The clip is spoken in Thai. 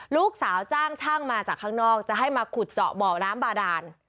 ลูกสาวจ้างช่างมาจากข้างนอกจะให้มาขุดเจาะบ่อน้ำบาดาน